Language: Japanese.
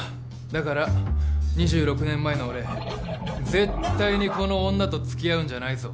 だから２６年前の俺絶対にこの女と付き合うんじゃないぞ。